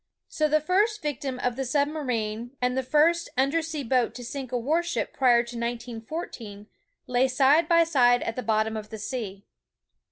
So the first victim of the submarine, and the first under sea boat to sink a warship prior to 1914, lay side by side at the bottom of the sea.